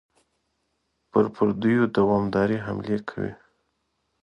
پر پردیو دوامدارې حملې کوي.